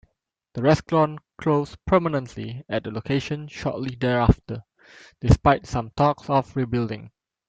The restaurant closed permanently at that location shortly thereafter, despite some talk of rebuilding.